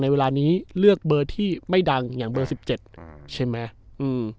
เวลานี้เลือกเบอร์ที่ไม่ดังอย่างเบอร์สิบเจ็ดอืมใช่ไหมอืม